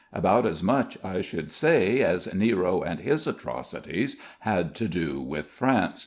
About as much, I should say, as Nero and his atrocities had to do with France.